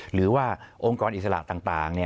หรือว่าองค์กรอิสระต่าง